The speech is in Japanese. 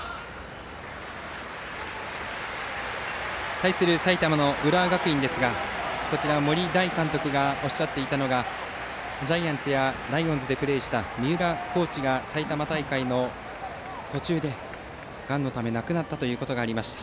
対する埼玉の浦和学院ですが森大監督がおっしゃっていたのはジャイアンツやライオンズでプレーした三浦コーチが埼玉大会の途中でがんのため亡くなったということがありました。